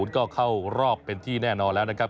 ก็เข้ารอบเป็นที่แน่นอนแล้วนะครับ